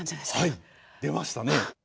はい出ましたね。